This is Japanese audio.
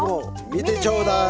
見てちょうだい。